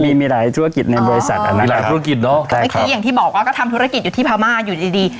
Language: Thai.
มีมีหลายธุรกิจในบริษัทอันนี้หลายธุรกิจเนอะแต่เมื่อกี้อย่างที่บอกว่าก็ทำธุรกิจอยู่ที่พม่าอยู่ดีดี